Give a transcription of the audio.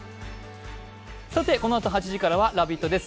このあと８時からは「ラヴィット！」です。